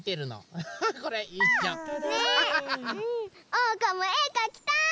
おうかもえかきたい！